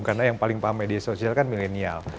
karena yang paling paham media sosial kan milenial